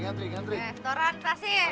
aturan kasih ya